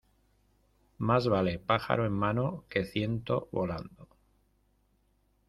Más vale pájaro en mano que ciento volando.